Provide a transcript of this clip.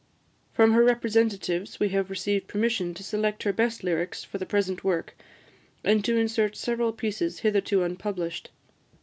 From her representatives we have received permission to select her best lyrics for the present work, and to insert several pieces hitherto unpublished.